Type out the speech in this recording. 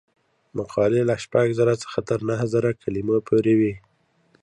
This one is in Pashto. مقالې له شپږ زره څخه تر نهه زره کلمو پورې وي.